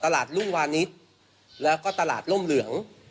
แล้วก็ตลาดร่มเหลือง